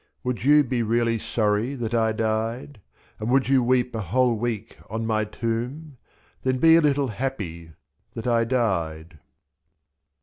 Would you be really sorry that I died ? J ?^' And would you weep a whole week on my tomb ? Then be a little happy — that I died.